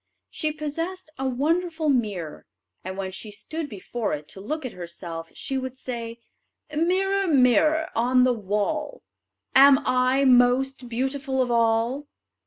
She possessed a wonderful mirror, and when she stood before it to look at herself she would say: "Mirror, mirror on the wall, Am I most beautiful of all?"